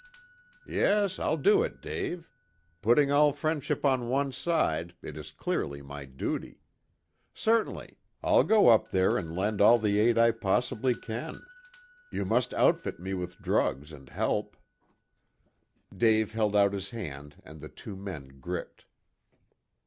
"Yes, I'll do it, Dave. Putting all friendship on one side, it is clearly my duty. Certainly. I'll go up there and lend all the aid I possibly can. You must outfit me with drugs and help." Dave held out his hand, and the two men gripped.